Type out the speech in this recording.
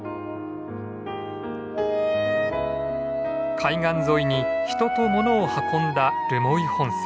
海岸沿いに人と物を運んだ留萌本線。